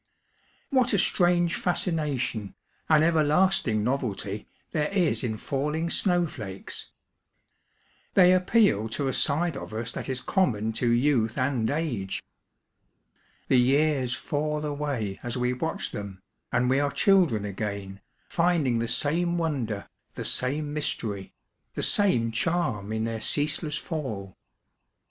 What a strange fascination, an everlasting novelty, there is in falling snowflakes I They appeal to a side of us that is common to youth and age. The years fall away as we watch them, and we are children again, finding the same wonder, the same mystery, the same charm in their ceaseless fall.